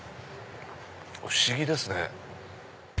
不思議ですね。